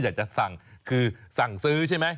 อยากจะสั่งคือสั่งซื้อใช่ไหม